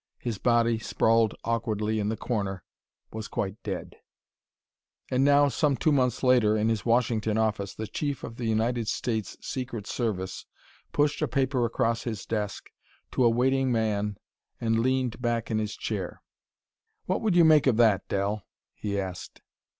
His body, sprawled awkwardly in the corner, was quite dead.... And now, some two months later, in his Washington office, the Chief of the United States Secret Service pushed a paper across his desk to a waiting man and leaned back in his chair. "What would you make of that, Del?" he asked.